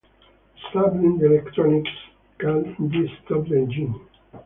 Disabling the electronics can indeed stop the engine.